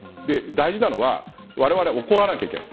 大事なのは、われわれは怒らないといけない。